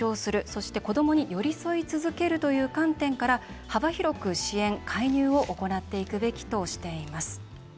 そして、子どもに寄り添い続けるという観点から幅広く支援・介入を行っていくべきとしています。